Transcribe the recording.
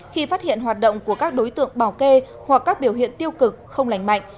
khi phát hiện hoạt động của các đối tượng bảo kê hoặc các biểu hiện tiêu cực không lành mạnh